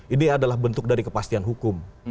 ini adalah bentuk dari kepastian hukum